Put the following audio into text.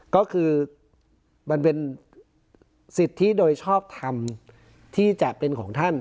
ก็คือมันเป็นสิทธิโดยชอบทำที่จะเป็นของท่าน